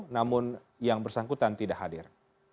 namun yang bersangkutan tidak hadir